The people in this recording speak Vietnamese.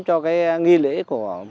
cho cái nghi lễ của